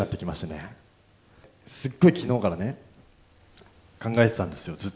すごい昨日からね考えてたんですよ